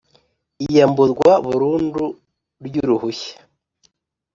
iyamburwa burundu ry uruhushya